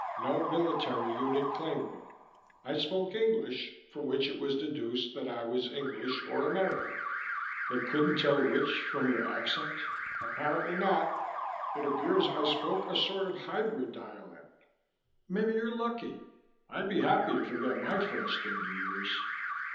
No military unit claimed me. I spoke English, from which it was deduced that I was English or American " "They couldn't tell which, from your accent?" "Apparently not; it appears I spoke a sort of hybrid dialect." "Maybe you're lucky. I'd be happy to forget my first thirty years."